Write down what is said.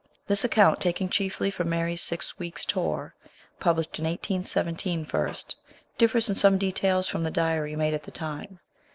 This account, taken chiefly from Mary's Six Weeks' Tour, published in 1817 first, differs in some details from the diary made at the time.